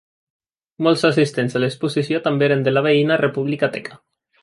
Molts assistents a l'exposició també eren de la veïna República Teca.